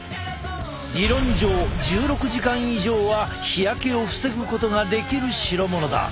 理論上１６時間以上は日焼けを防ぐことができる代物だ。